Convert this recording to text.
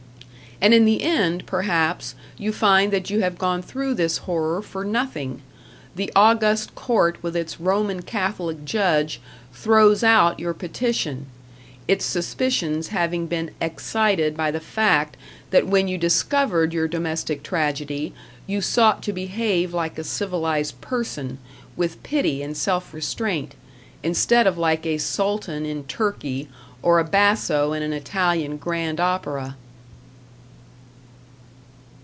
And in the end, perhaps, you find that you have gone through this horror for nothing the august court with its Roman Catholic judge throws out your petition, its suspicions having been excited by the fact that when you discovered your domestic tragedy, you sought to behave like a civilized person, with pity and self restraint, instead of like a sultan in Turkey, or a basso in an Italian grand opera.